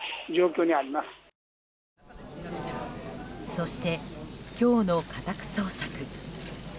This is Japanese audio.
そして、今日の家宅捜索。